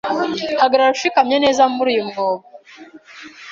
Hagarara ushikamye neza muri uyu mwobo